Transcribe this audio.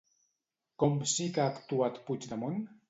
Com sí que ha actuat Puigdemont?